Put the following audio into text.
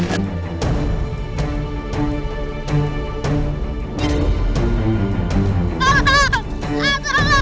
manusia harimau dimana ya